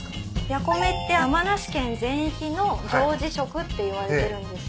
やこめって山梨県全域の行事食っていわれてるんです。